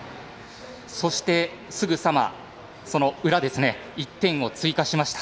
そして、すぐさまその裏、１点を追加しました。